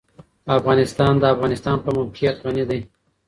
افغانستان په د افغانستان د موقعیت غني دی.